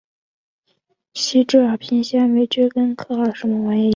羽枝耳平藓为蕨藓科耳平藓属下的一个种。